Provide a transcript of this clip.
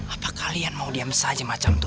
apa kalian mau diam saja macam itu